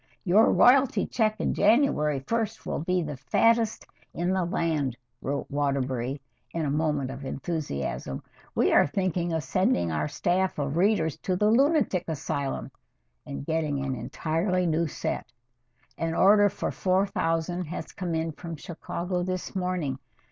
"Your royalty check on January 1st will be the fattest in the land," wrote Waterbury in a moment of enthusiasm. "We are thinking of sending our staff of readers to the lunatic asylum and getting an entirely new set. An order for four thousand has come in from Chicago this morning.